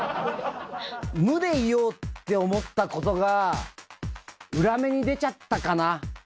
無でいようって思ったことが、裏目に出ちゃったかな。